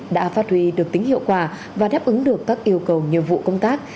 đã phát huy được tính hiệu quả và đáp ứng được các yêu cầu nhiệm vụ công tác